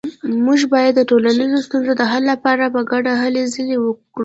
موږ باید د ټولنیزو ستونزو د حل لپاره په ګډه هلې ځلې وکړو